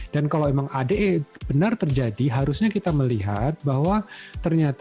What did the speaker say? dan kalau emang ade benar terjadi harusnya kita melihat bahwa ternyata